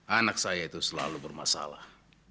anak saya itu selalu bermasalah